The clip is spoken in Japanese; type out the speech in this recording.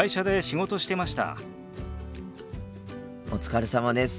お疲れさまです。